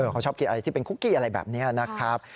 เขาชอบกินอะไรที่เป็นคุกกี้อะไรแบบนี้นะครับ